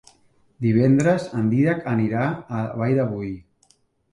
Divendres en Dídac anirà a la Vall de Boí.